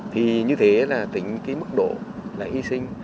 thì như thế là tính cái mức độ là hy sinh